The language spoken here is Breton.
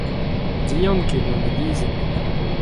Diank eo ma malizenn.